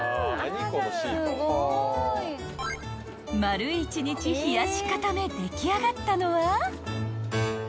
［丸一日冷やし固め出来上がったのは］